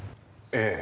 ええ。